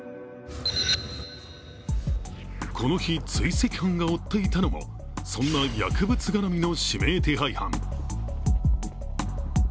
この日、追跡班が追っていたのもそんな薬物絡みの指名手配犯。